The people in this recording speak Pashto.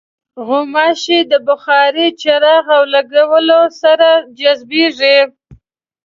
غوماشې د بخارۍ، څراغ او لوګیو سره جذبېږي.